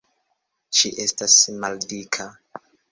Ŝi estas maldika.